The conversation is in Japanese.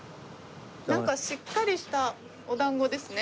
なんかしっかりしたお団子ですね。